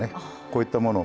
こういったもの